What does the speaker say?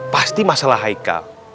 pasti masalah haikal